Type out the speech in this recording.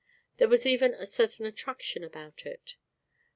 There was even a certain attraction about it.